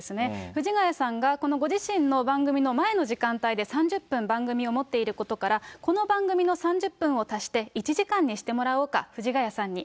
藤ヶ谷さんがこのご自身の番組の前の時間帯で、３０分、番組を持っていることから、この番組の３０分を足して１時間にしてもらおうか、藤ヶ谷さんに。